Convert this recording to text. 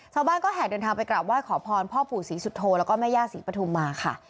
ชาวบ้านก็แห่เดินทางไปกราบไหว้ขอพรพศศุฐโทและแม่ย่าศรีปทุมมาค่ะ